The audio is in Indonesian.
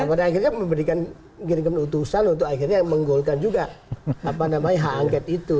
ya pada akhirnya memberikan utusan untuk akhirnya menggolkan juga apa namanya angket itu